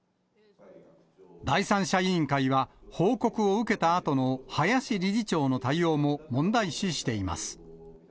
第三者委員会は、報告を受けたあとの林理事長の対応も問題視しています。